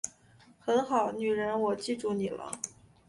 很好，女人我记住你了